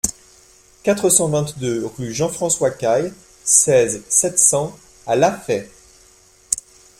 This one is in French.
quatre cent vingt-deux rue Jean-Francois Cail, seize, sept cents à La Faye